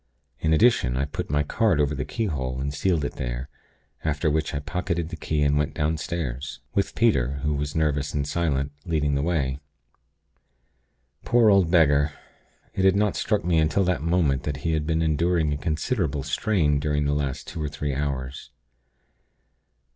In addition, I put my card over the keyhole, and sealed it there; after which I pocketed the key, and went downstairs with Peter; who was nervous and silent, leading the way. Poor old beggar! It had not struck me until that moment that he had been enduring a considerable strain during the last two or three hours.